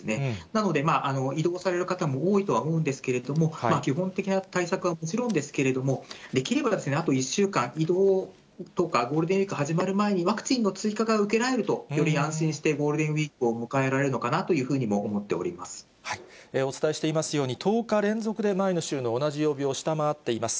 なので、移動される方も多いとは思うんですけれども、基本的な対策はもちろんですけれども、できればあと１週間、移動とか、ゴールデンウィーク始まる前に、ワクチンの追加が受けられると、より安心してゴールデンウィークを迎えられるのかなというふうにお伝えしていますように、１０日連続で前の週の同じ曜日を下回っています。